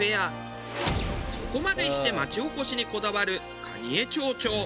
そこまでして町おこしにこだわる蟹江町長。